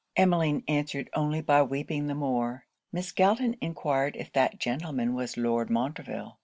Emmeline answered only by weeping the more. Miss Galton enquired if that gentleman was Lord Montreville.